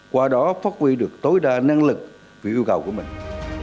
qua đó phát huy được tối đa năng lực vì yêu cầu của mình